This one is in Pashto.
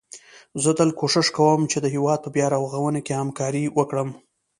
زه تل کوښښ کوم چي د هيواد په بيا رغونه کي همکاري وکړم